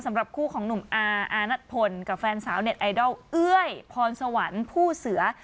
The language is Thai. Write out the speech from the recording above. สำหรับคู่ของหนุ่มอาอานัทพลกับแฟนสาวเน็ตไอดอลเอ้ยพรสวรรค์ผู้เสือ